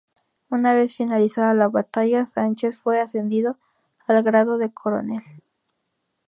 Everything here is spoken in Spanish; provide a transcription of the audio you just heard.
Una vez finalizada la batalla, Sánchez fue ascendido al grado de coronel.